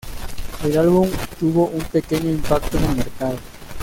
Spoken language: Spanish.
El álbum tuvo un pequeño impacto en el mercado.